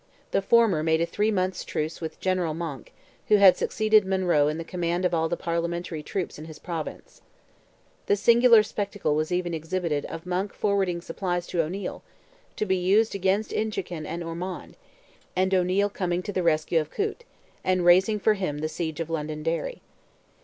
The former made a three months' truce with General Monck, who had succeeded Monroe in the command of all the Parliamentary troops in his province. The singular spectacle was even exhibited of Monck forwarding supplies to O'Neil, to be used against Inchiquin and Ormond, and O'Neil coining to the rescue of Coote, and raising for him the siege of Londonderry.